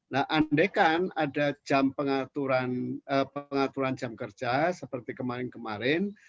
nah andekan ada jam pengaturan jam kerja seperti kemarin kemarin